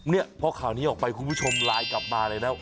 เนี่ยพอข่าวนี้ออกไปคุณผู้ชมไลน์กลับมาเลยนะ